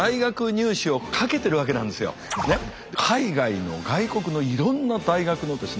海外の外国のいろんな大学のですね